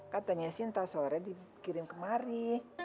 katanya sinta sore dikirim kemari